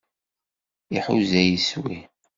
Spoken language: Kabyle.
Iḥuza iswi.